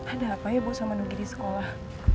ada apa ya bu sama negeri di sekolah